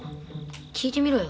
聞いてみろよ。